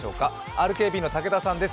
ＲＫＢの武田さんです。